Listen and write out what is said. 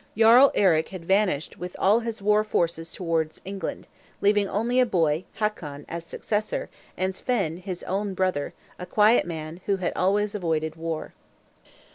Jarl Eric had vanished with all his war forces towards England, leaving only a boy, Hakon, as successor, and Svein, his own brother, a quiet man, who had always avoided war.